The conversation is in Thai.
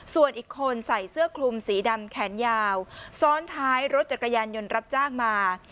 ส่วนอีกคนใส่เสื้อคลุมสีดำแขนยาวซ้อนท้ายรถจักรยานยนต์รับจ้างมา